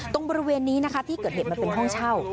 ตรงบริเวณนี้นะคะที่เกิดเหตุมันเป็นห้องเช่า